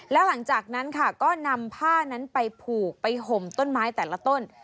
แล้วหลังจากนั้นค่ะก็นำผ้านั้นไปผูกไปห่มต้นไม้แต่ละต้น